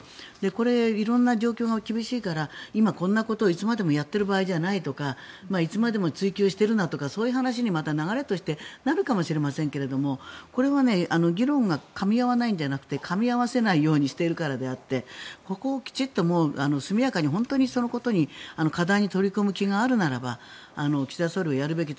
これ、色んな状況が厳しいから今、こんなことをいつまでもやってる場合じゃないとかいつまでも追及するなとかそういう話に、また流れとしてなるかもしれませんがこれは、議論がかみ合わないんじゃなくてかみ合わせないようにしているからであってここをきちんと速やかにそのことに課題に取り組む気があるなら岸田総理はやるべき。